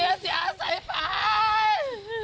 แม่เสียใส่ฝ่าย